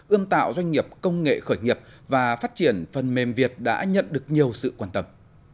ươm tạo doanh nghiệp công nghệ khởi nghiệp và phát triển phần mềm việt đã nhận được nhiều sự quan tâm